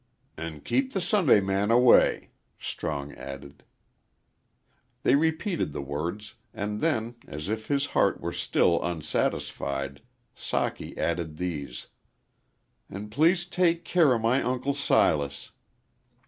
"An' keep the Sundayman away," Strong added. They repeated the words, and then, as if his heart were still unsatisfied, Socky added these, "An' please take care o' my Uncle Silas."